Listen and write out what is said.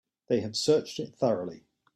They have searched it thoroughly.